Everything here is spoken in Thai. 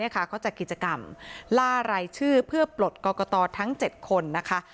เขาจัดกิจกรรมล่ารายชื่อเพื่อปลดกรกตทั้ง๗คนนะคะ